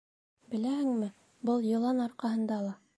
Беләһеңме... был йылан арҡаһында ла...